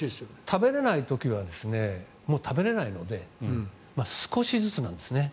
食べれない時は食べれないので少しずつなんですね。